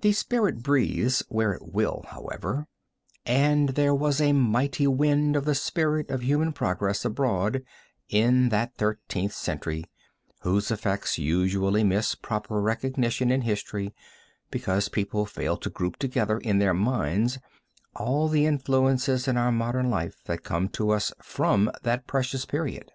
The spirit breathes where it will, however, and there was a mighty wind of the spirit of human progress abroad in that Thirteenth Century, whose effects usually miss proper recognition in history, because people fail to group together in their minds all the influences in our modern life that come to us from that precious period.